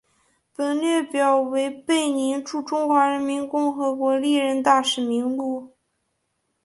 本列表为贝宁驻中华人民共和国历任大使名录。